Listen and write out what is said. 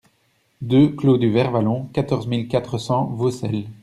deux clos du Vert Vallon, quatorze mille quatre cents Vaucelles